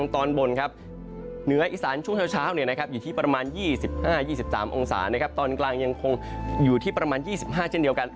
ตอนกลางยังคงอยู่ที่ประมาณ๒๕เจนเดียวกัน